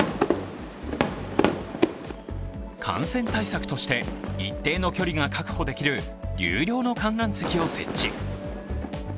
感染対策として、一定の距離が確保できる有料の観覧席を設置。